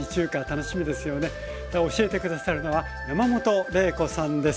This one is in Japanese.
では教えて下さるのは山本麗子さんです。